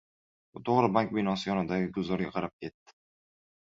U toʻgʻri bank binosi yonidagi gulzorga qarab ketdi.